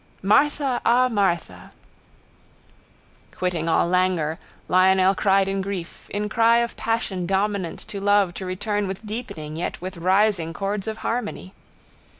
—Martha! Ah, Martha! Quitting all languor Lionel cried in grief, in cry of passion dominant to love to return with deepening yet with rising chords of harmony.